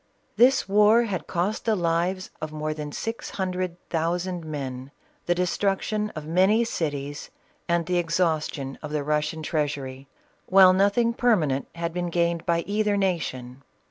This war had cost the lives of more than six hundred thousand men, the destruction of many cities, and the exhaustion of the Russian treasury, while nothing per manent had been gained by either nation.